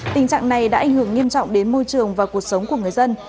tình trạng này đã ảnh hưởng nghiêm trọng đến môi trường và cuộc sống của người dân